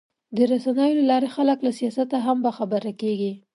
د رسنیو له لارې خلک له سیاست هم باخبره کېږي.